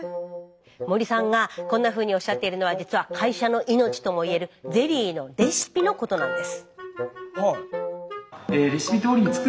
森さんがこんなふうにおっしゃっているのは実は会社の命とも言えるゼリーのレシピのことなんです。